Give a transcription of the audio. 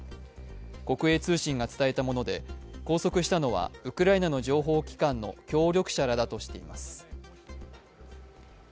国営通信が伝えたもので拘束したのはウクライナの情報機関の協力者だとしています。